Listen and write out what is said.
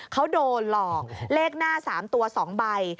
เขาโดนหลอกเลขหน้า๓ตัว๒ใบ